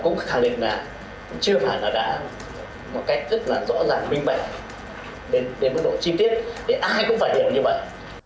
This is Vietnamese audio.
nhưng mà nó đã một cách rất là rõ ràng minh bạch đến mức độ chi tiết thì ai cũng phải hiểu như vậy